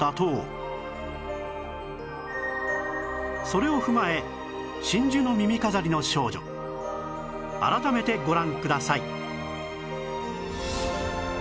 それを踏まえ『真珠の耳飾りの少女』改めてご覧ください